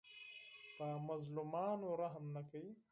په مظلومانو رحم نه کوي.